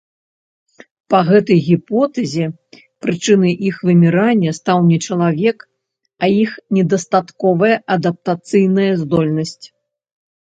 Па гэтай гіпотэзе прычынай іх вымірання стаў не чалавек, а іх недастатковая адаптацыйная здольнасць.